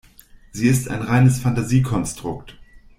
Sie ist ein reines Fantasiekonstrukt.